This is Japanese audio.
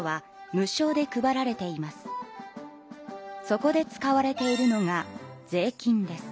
そこで使われているのが税金です。